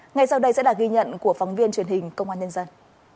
ngay sau đây sẽ là ghi nhận của phóng viên truyền hình công an nhân dân